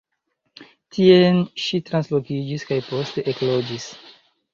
Tien ŝi translokiĝis kaj poste ekloĝis.